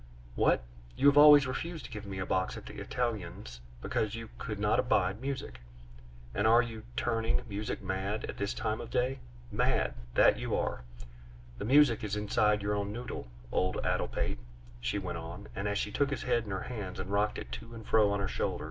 "What? You have always refused to give me a box at the Italiens because you could not abide music, and are you turning music mad at this time of day? Mad that you are! The music is inside your own noddle, old addle pate!" she went on, as she took his head in her hands and rocked it to and fro on her shoulder.